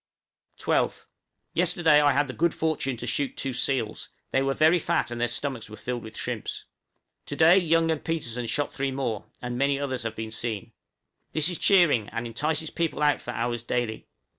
12th. Yesterday I had the good fortune to shoot two seals; they were very fat and their stomachs were filled with shrimps. To day Young and Petersen shot three more, and many others have been seen. This is cheering, and entices people out for hours daily.